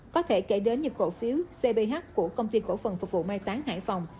có thể kể đến như cổ phiếu cbh của công ty cổ phần phục vụ mai tán hải phòng